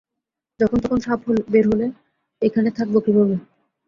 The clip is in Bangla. যখন-তখন সাপ বের হলে এইখানে থাকব কীভাবে?